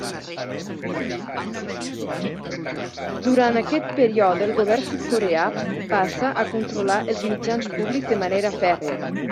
Durant aquest període el govern sud-coreà passa a controlar els mitjans públics de manera fèrria.